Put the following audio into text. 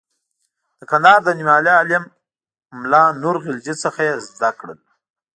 د کندهار له نومیالي عالم ملا نور غلجي څخه یې زده کړل.